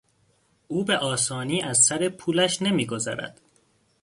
او به آسانی از سرپولش نمیگذرد.